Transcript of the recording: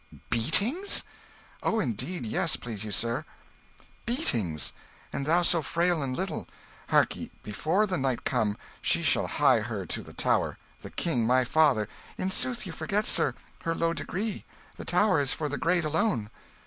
Beatings?" "Oh, indeed, yes, please you, sir." "Beatings! and thou so frail and little. Hark ye: before the night come, she shall hie her to the Tower. The King my father" "In sooth, you forget, sir, her low degree. The Tower is for the great alone."